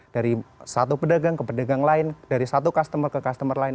dari satu pedagang ke pedagang lain dari satu customer ke customer lain